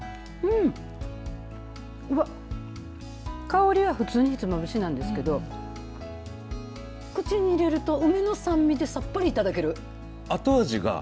香りは普通にひつまぶしなんですけど口に入れると梅の酸味でさっぱりいただける。